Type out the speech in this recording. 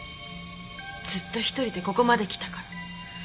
ずっと１人でここまで来たから。